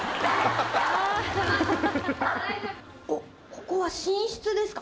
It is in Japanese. ここは寝室ですか？